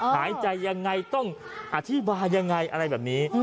หายใจยังไงต้องอธิบายยังไงอะไรแบบนี้